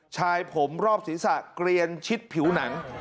ชายผมรอบศีรษะเกลียนชิดผิวหนัง